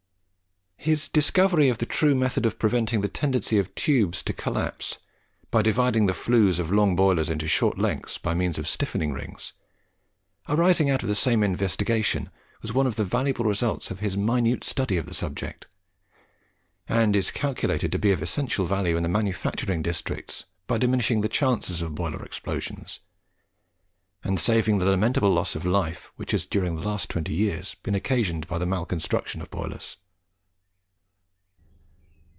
His discovery of the true method of preventing the tendency of tubes to collapse, by dividing the flues of long boilers into short lengths by means of stiffening rings, arising out of the same investigation, was one of the valuable results of his minute study of the subject; and is calculated to be of essential value in the manufacturing districts by diminishing the chances of boiler explosions, and saving the lamentable loss of life which has during the last twenty years been occasioned by the malconstruction of boilers.